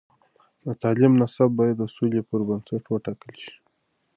د تعلیم نصاب باید د سولې پر بنسټ وټاکل شي.